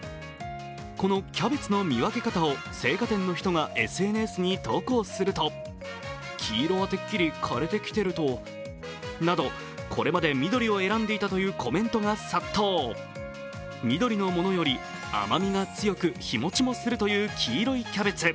このキャベツの見分け方を青果店の人がＳＮＳに投稿すると、黄色はてっきり枯れてきてるとなどこれまで緑を選んでいたというコメントが殺到緑のものより甘みが強く日もちもするという黄色いキャベツ。